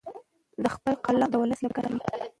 دی خپل قلم د ولس لپاره کاروي.